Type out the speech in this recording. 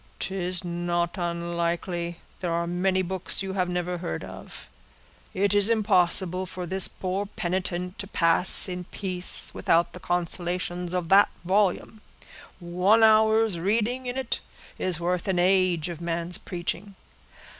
"'Tis not unlikely; there are many books you have never heard of: it is impossible for this poor penitent to pass in peace, without the consolations of that volume. One hour's reading in it is worth an age of man's preaching."